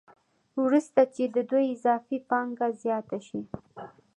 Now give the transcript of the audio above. وروسته چې د دوی اضافي پانګه زیاته شي